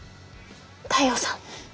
太陽さん。